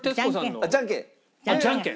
あっじゃんけん？